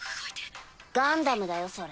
ガンダムだよそれ。